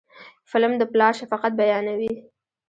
فلم د پلار شفقت بیانوي